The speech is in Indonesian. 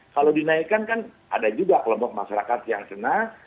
kalau dinaikkan kan ada juga kelompok masyarakat yang senang